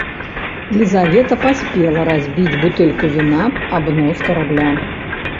Лізавета паспела разбіць бутэльку віна аб нос карабля.